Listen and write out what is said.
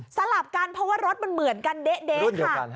สลับกันเพราะว่ารถมันเหมือนกันเด๊ะค่ะ